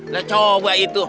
dah coba itu